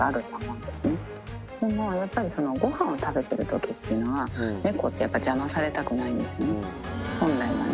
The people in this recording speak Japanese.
でも、やっぱり、ごはんを食べてるときっていうのは、猫ってやっぱり、邪魔されたくないんですね、本来はね。